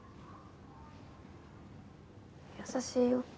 優しいよ。